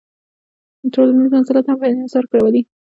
ټولنیز منزلت هم په انحصار کې راولي.